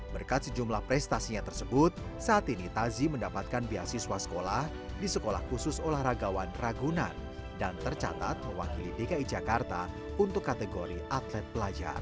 berkat sejumlah prestasinya tersebut saat ini tazi mendapatkan biasiswa sekolah di sekolah khusus olahragawan ragunan dan tercatat mewakili dki jakarta untuk kategori atlet pelajar